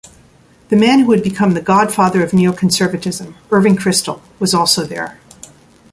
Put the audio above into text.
The man who would become the "godfather of Neoconservatism" Irving Kristol was also there.